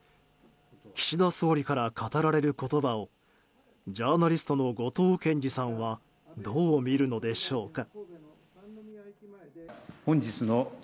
岸田総理から語られる言葉をジャーナリストの後藤謙次さんはどう見るのでしょうか。